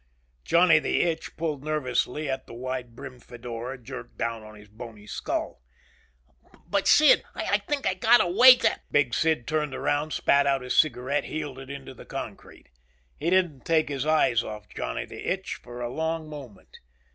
Johnny the Itch pulled nervously at the wide brimmed fedora jerked down on his bony skull. "But, Sid, I think I got a way to " Big Sid turned around, spat out his cigaret, heeled it into the concrete. He didn't take his eyes off Johnny the Itch for a long moment.